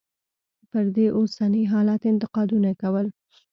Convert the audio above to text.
پر دې اوسني حالت انتقادونه کول.